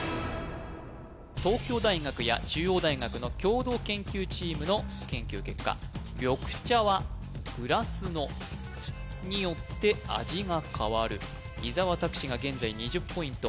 東京大学や中央大学の共同研究チームの研究結果緑茶はグラスのによって味が変わる伊沢拓司が現在２０ポイント